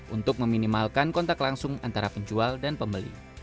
untuk meminimalkan kontak langsung antara penjual dan pembeli